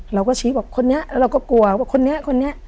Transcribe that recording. เราก็ชี้บอกคนนี้แล้วเราก็กลัวว่าคนนี้คนนี้